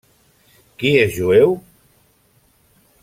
Qui és jueu?